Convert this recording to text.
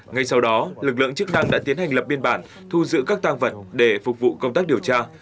ngay sau đó lực lượng chức năng đã tiến hành lập biên bản thu giữ các tàng vật để phục vụ công tác điều tra